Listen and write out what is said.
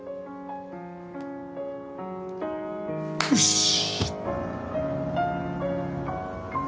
よし。